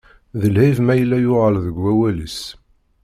D lɛib ma yella yuɣal deg wawalis.